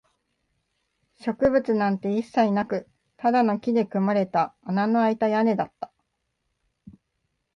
植物なんて一切なく、ただの木で組まれた穴のあいた屋根だった